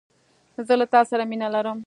زه له تاسره مينه لرم